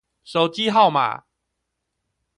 手機號碼